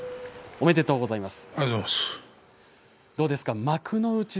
おめでとうございます。